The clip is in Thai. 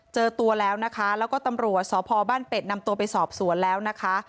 เจอตัวแล้วนะคะแล้วก็ตำรวจสพบ้านเป็ดนำตัวไปสอบสวนแล้วนะคะ